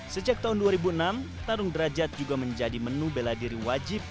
sejak tahun dua ribu enam tarung derajat juga menjadi menu bela diri wajib